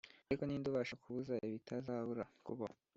ariko ninde ubasha kubuza ibitazabura kubaho?